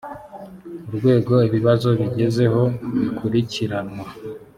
urwego ibibazo bigezeho bikurikiranwa